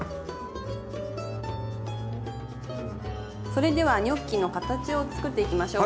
それではニョッキの形を作っていきましょう。